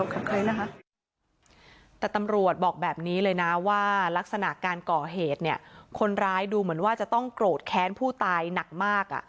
ก็คือจ่ายกันตรงอะไรนี้ค่ะมันค่อยมีบริหารการติดค้างเท่าไร